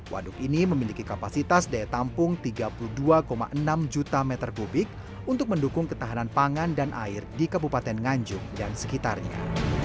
waduk ini memiliki kapasitas daya tampung tiga puluh dua enam juta meter kubik untuk mendukung ketahanan pangan dan air di kabupaten nganjuk dan sekitarnya